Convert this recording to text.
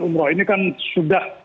umroh ini kan sudah